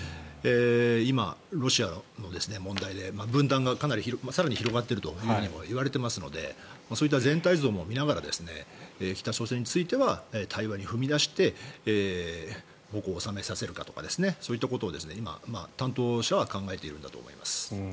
今、ロシアの問題で分断が更に広がっているといわれていますのでそういった全体像も見ながら北朝鮮については対話に踏み出して矛を収めさせるかとかそういったことを、今、担当者は考えているんだと思います。